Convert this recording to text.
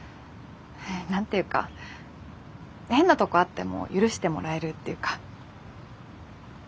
何て言うか変なとこあっても許してもらえるっていうか。